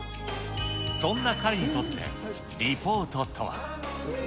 そんな彼にとって、リポートとは。